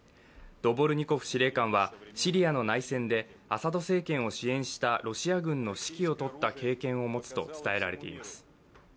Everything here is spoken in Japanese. ドボルニコフ司令官はシリアの内戦でアサド政権を支援したロシア軍の指揮をとった経験を持つと伝えられています。